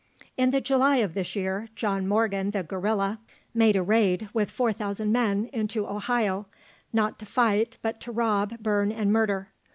In the July of this year, John Morgan, the guerilla, made a raid, with 4000 men, into Ohio not to fight, but to rob, burn, and murder.